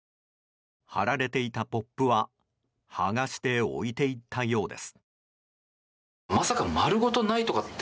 貼られていたポップは剥がして置いていったようです。